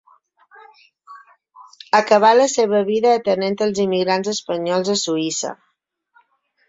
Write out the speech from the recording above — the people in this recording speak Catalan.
Acabà la seva vida atenent als immigrants espanyols a Suïssa.